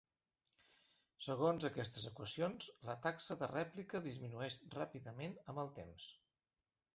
Segons aquestes equacions, la taxa de rèplica disminueix ràpidament amb el temps.